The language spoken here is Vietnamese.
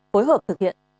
phối hợp thực hiện